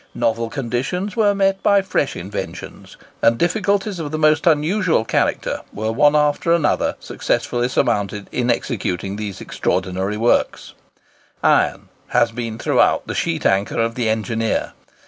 Novel conditions were met by fresh inventions, and difficulties of the most unusual character were one after another successfully surmounted. In executing these extraordinary works, iron has been throughout the sheet anchor of the engineer.